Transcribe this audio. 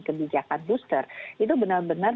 kebijakan booster itu benar benar